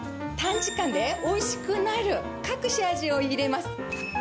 短時間でおいしくなる隠し味を入れます。